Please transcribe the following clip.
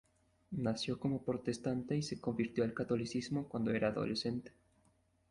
Nació como protestante y se convirtió al catolicismo cuando era adolescente.